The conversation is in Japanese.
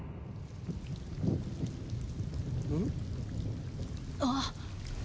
ん？あっ。